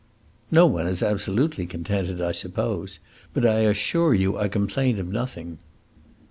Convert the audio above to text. "No one is absolutely contented, I suppose, but I assure you I complain of nothing."